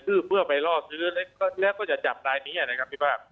คือเพื่อไปรอบซื้อแล้วก็จะจับรายนี้อ่ะนะครับพี่ฟาบ